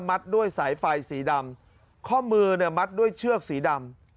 ด้วยสายไฟสีดำข้อมือเนี่ยมัดด้วยเชือกสีดำ